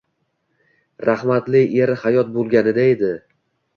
Rahmatli eri hayot boʻlganida edi.